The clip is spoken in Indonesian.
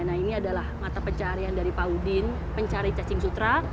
nah ini adalah mata pencarian dari pak udin pencari cacing sutra